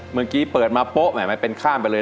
เมื่อกี้เปิดมาโป๊ะแหมมันเป็นข้ามไปเลย